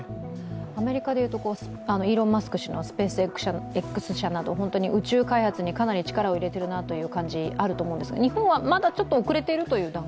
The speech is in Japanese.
アメリカでいうとイーロン・マスク氏のスペースＸ社など、宇宙開発にかなり力を入れてるなという感じあるんですけど日本はまだちょっと遅れているという段階？